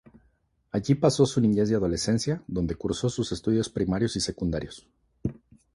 Allí pasó su niñez y adolescencia donde cursó sus estudios primarios y secundarios.